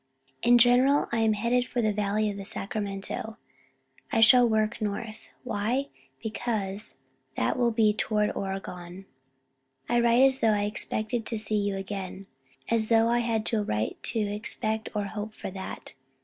In general I am headed for the valley of the Sacramento. I shall work north. Why? Because that will be toward Oregon! I write as though I expected to see you again, as though I had a right to expect or hope for that.